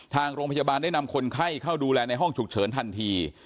ทางโรงพยาบาลได้นำคนไข้เข้าดูแลในห้องฉุกเฉินทันที